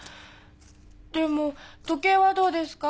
でも時計はどうですか？